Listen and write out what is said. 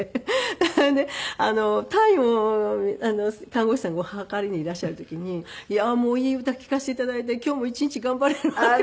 それで体温を看護師さんがお測りにいらっしゃる時に「いやーもういい歌聴かせて頂いて今日も一日頑張れるわ」って。